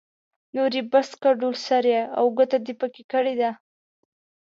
نور يې بس کړئ؛ ډول سری او ګوته دې په کې کړې ده.